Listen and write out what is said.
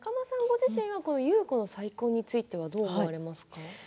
ご自身は優子の再婚についてはどう思われますか？